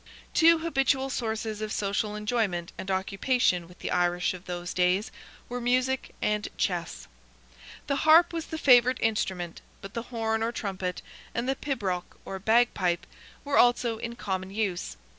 Two habitual sources of social enjoyment and occupation with the Irish of those days were music and chess. The harp was the favourite instrument, but the horn or trumpet, and the pibroch or bagpipe, were also in common use.